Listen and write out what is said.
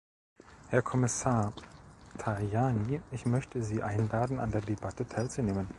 Herr Kommissar Tajani, ich möchte Sie einladen, an der Debatte teilzunehmen.